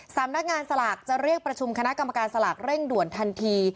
สำนักงานสลากจะเรียกประชุมคณะกรรมการสลากเร่งด่วนทันที